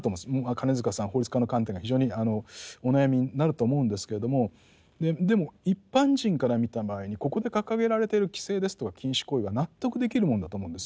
金塚さん法律家の観点から非常にお悩みになると思うんですけれどもでも一般人から見た場合にここで掲げられている規制ですとか禁止行為は納得できるもんだと思うんですよ。